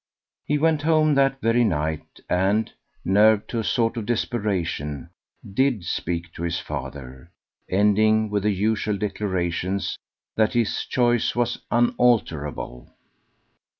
He went home that very night, and, nerved to a sort of desperation, did speak to his father, ending with the usual declarations that his choice was unalterable.